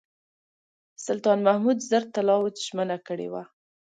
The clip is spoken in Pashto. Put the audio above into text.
سلطان محمود زر طلاوو ژمنه کړې وه.